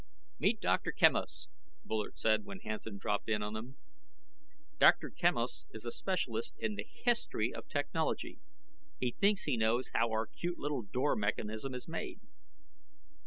"Meet Dr. Quemos," Bullard said when Hansen dropped in on them. "Dr. Quemos is a specialist in the history of technology. He thinks he knows how our cute little door mechanism is made."